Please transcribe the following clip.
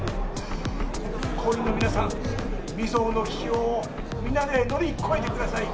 「行員の皆さん未曽有の危機を皆で乗り越えてください」